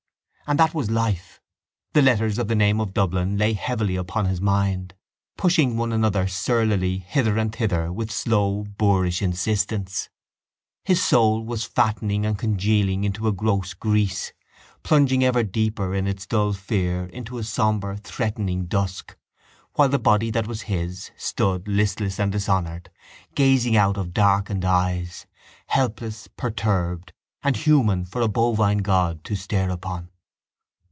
And that was life. The letters of the name of Dublin lay heavily upon his mind, pushing one another surlily hither and thither with slow boorish insistence. His soul was fattening and congealing into a gross grease, plunging ever deeper in its dull fear into a sombre threatening dusk, while the body that was his stood, listless and dishonoured, gazing out of darkened eyes, helpless, perturbed and human for a bovine god to stare upon.